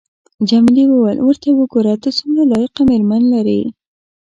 جميلې وويل:: ورته وګوره، ته څومره لایقه مېرمن لرې.